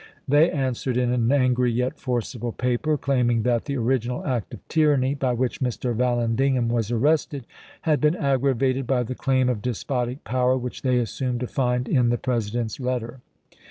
They answered in an angry yet forcible paper, claiming that the original act of tyranny by which Mr. Vallandigham was arrested had been aggravated by the claim of despotic power which they assumed to find in the President's letter.